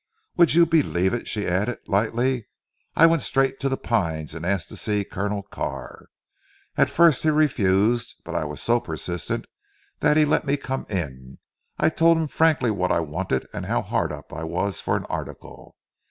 Would you believe it," she added lightly, "I went straight to 'The Pines' and asked to see Colonel Carr? At first he refused, but I was so persistent that he let me come in. I told him frankly what I wanted and how hard up I was for an article.